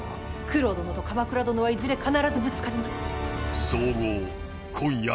九郎殿と鎌倉殿はいずれ必ずぶつかります。